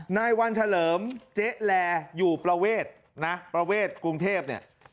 นายวันเฉลิมเจ๊แลอยู่ประเวทนะประเวทกรุงเทพเนี่ย